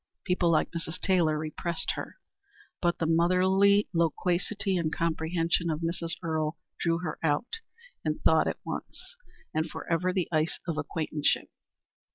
People like Mrs. Taylor repressed her, but the motherly loquacity and comprehension of Mrs. Earle drew her out and thawed at once and forever the ice of acquaintanceship.